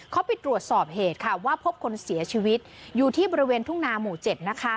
เขาไปตรวจสอบเหตุค่ะว่าพบคนเสียชีวิตอยู่ที่บริเวณทุ่งนาหมู่เจ็ดนะคะ